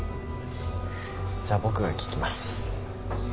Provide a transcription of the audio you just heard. じゃあ僕が聞きます。